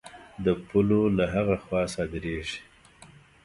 د پولو له هغه خوا صادرېږي.